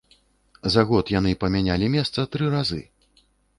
За год яны памянялі месца тры разы.